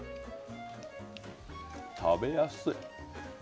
食べやすい。